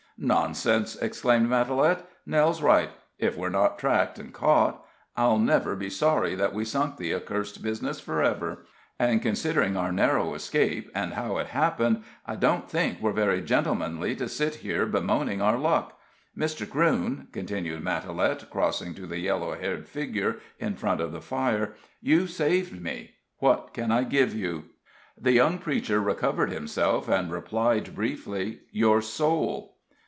"Nonsense!" exclaimed Matalette. "Nell's right if we're not tracked and caught, I'll never be sorry that we sunk the accursed business for ever. And, considering our narrow escape, and how it happened, I don't think we're very gentlemanly to sit here bemoaning our luck. Mr. Crewne," continued Matalette, crossing to the yellow haired figure in front of the fire, "you've saved me what can I give you?" The young preacher recovered himself, and replied, briefly: "Your soul."